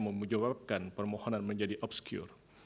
memujawekan permohonan menjadi obskur